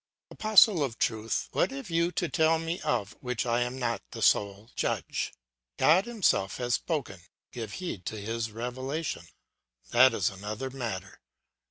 "Apostle of truth, what have you to tell me of which I am not the sole judge? God himself has spoken; give heed to his revelation. That is another matter.